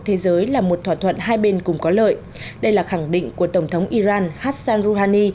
thế giới là một thỏa thuận hai bên cùng có lợi đây là khẳng định của tổng thống iran hassan rouhani